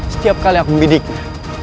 setiap kali aku membidiknya